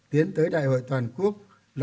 tiến tới đại hội toàn quốc